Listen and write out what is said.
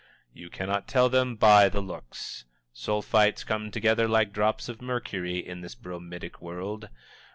You cannot tell them by the looks. Sulphites come together like drops of mercury, in this bromidic world.